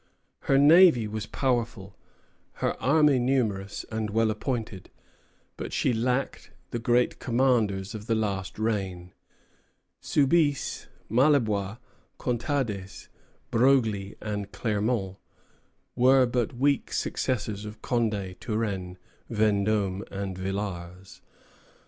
Her navy was powerful, her army numerous, and well appointed; but she lacked the great commanders of the last reign. Soubise, Maillebois, Contades, Broglie, and Clermont were but weak successors of Condé, Turenne, Vendôme, and Villars.